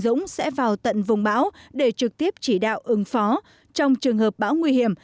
dũng sẽ vào tận vùng bão để trực tiếp chỉ đạo ứng phó trong trường hợp bão nguy hiểm